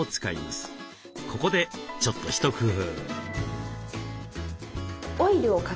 ここでちょっと一工夫。